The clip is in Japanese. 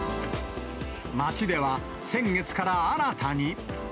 町では、先月から新たに。